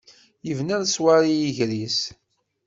Yebna leṣwaṛ i yiger-is.